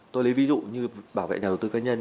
tôi lấy ví dụ như bảo vệ nhà đầu tư cá nhân